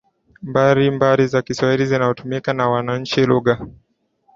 mbalimbali za Kiswahili zinazotumika na wananchi Lugha